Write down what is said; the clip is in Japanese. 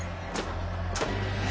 「え？